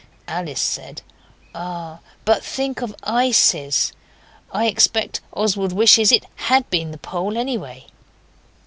Alice said, 'Ah, but think of ices! I expect Oswald wishes it HAD been the Pole, anyway.